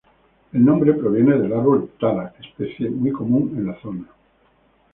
El nombre proviene del árbol tala, especie muy común en la zona.